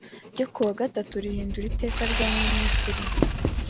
ryo ku wa gatatu rihindura Iteka rya Minisitiri